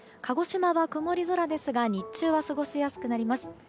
鹿児島は曇り空ですが日中は過ごしやすくなります。